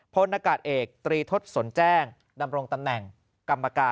พลตำรวจเอกตรีทศสนแจ้งเป็นรองประธานกรรมการ